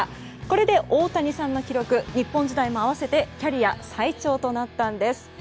これで大谷さんの記録日本時代も合わせてキャリア最長となったんです。